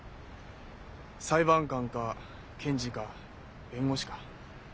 裁判官か検事か弁護士か。